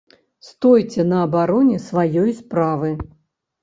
Стойце на абароне сваёй справы!